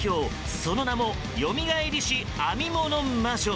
その名もよみがえりし編み物魔女。